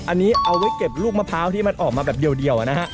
อันนี้เอาไว้เก็บลูกมะพร้าวที่มันออกมาแบบเดียวนะฮะ